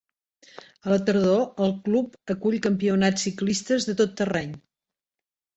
A la tardor, el club acull campionats ciclistes de tot terreny.